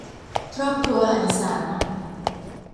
ครอบครัวหรรษา